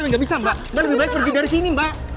nggak bisa mbak lebih baik pergi dari sini mbak